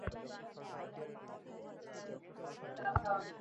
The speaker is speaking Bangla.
সেটা হল অন্যদের দায়িত্ব নেওয়া।